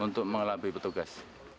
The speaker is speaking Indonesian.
untuk mengelabi petugas